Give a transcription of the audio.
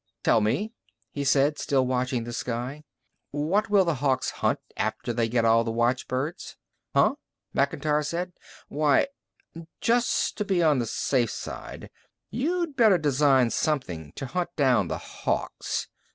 "Tell me," he said, still watching the sky, "what will the Hawks hunt after they get all the watchbirds?" "Huh?" Macintyre said. "Why " "Just to be on the safe side, you'd better design something to hunt down the Hawks.